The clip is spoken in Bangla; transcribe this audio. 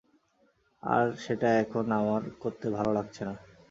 আর সেটা এখন আমার করতে ভালো লাগছে না।